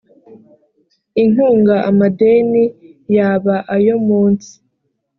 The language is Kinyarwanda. inkunga amadeni yaba ayo munsi